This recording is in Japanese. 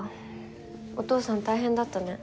お父さん大変だったね。